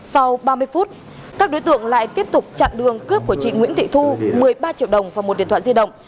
sau ba mươi phút các đối tượng lại tiếp tục chặn đường cướp của chị nguyễn thị thu một mươi ba triệu đồng và một điện thoại di động